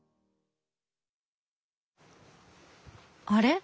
あれ？